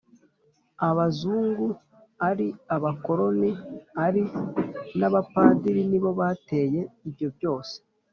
abazungu, ari abakoloni ari n'abapadiri nibo bateye ibyo byose.